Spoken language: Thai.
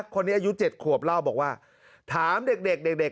คนนี้อายุเจ็ดขวบร่าวบอกว่าถามเด็กเด็กเด็ก